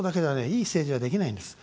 いい政治はできないんです。